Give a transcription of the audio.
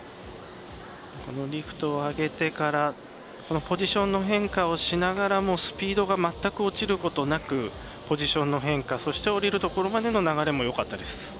リフトを上げてからポジションの変化をしながらもスピードが全く落ちることなくポジションの変化そして降りるところまでの流れもよかったです。